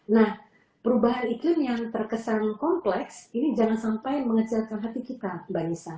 nah perubahan iklim yang terkesan kompleks ini jangan sampai mengecilkan hati kita mbak nisa